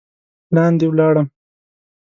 لاندې ولاړم.